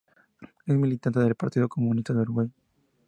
Es militante del Partido Comunista del Uruguay.